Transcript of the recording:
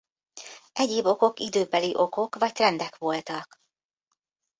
Egyéb okok időbeli okok vagy trendek voltak.